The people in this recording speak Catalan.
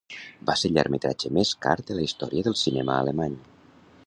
Va ser el llargmetratge més car de la història del cinema alemany.